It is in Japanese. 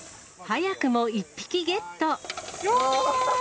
早くも１匹ゲット。